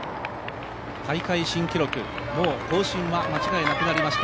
大会新記録、もう更新は間違いなくなりました。